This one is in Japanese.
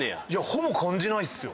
ほぼ感じないっすよ。